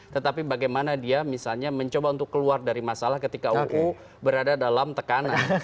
tetapi bagaimana dia misalnya mencoba untuk keluar dari masalah ketika uu berada dalam tekanan